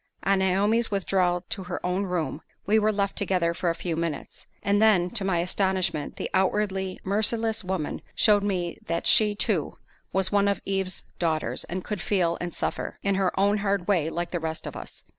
On Naomi's withdrawal to her own room, we were left together for a few minutes; and then, to my astonishment, the outwardly merciless woman showed me that she, too, was one of Eve's daughters, and could feel and suffer, in her own hard way, like the rest of us.